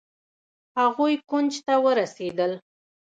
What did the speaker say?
هغوئ کونج ته ورسېدل.